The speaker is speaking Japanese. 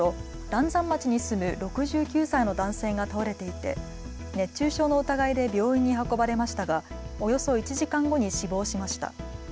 嵐山町に住む６９歳の男性が倒れていて熱中症の疑いで病院に運ばれましたがおよそ１時間後に死亡しました。